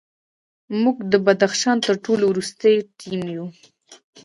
موږ د بدخشان تر ټولو وروستی ټیم وو.